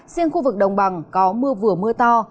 riêng khu vực đồng bằng có mưa vừa mưa to